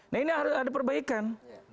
nah ini harus ada perbaikan